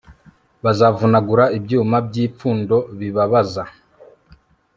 Bazavunagura ibyuma byipfundo bibabaza